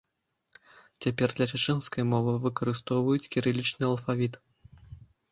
Цяпер для чачэнскай мовы выкарыстоўваюць кірылічны алфавіт.